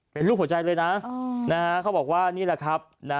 เป็นรูปหัวใจเลยนะเขาบอกว่านี่แหละครับ